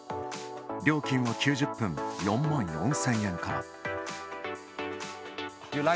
料金は９０分４万４０００円から。